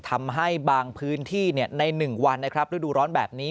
ทำให้บางพื้นที่ใน๑วันนะครับฤดูร้อนแบบนี้